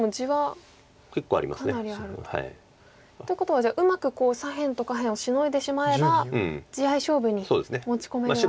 結構あります。ということはじゃあうまく左辺と下辺をシノいでしまえば地合い勝負に持ち込めるわけですか。